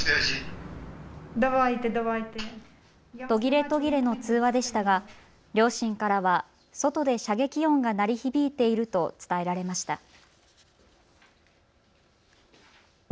途切れ途切れの通話でしたが両親からは外で射撃音が鳴り響いていると伝えられました。